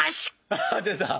あっ出た！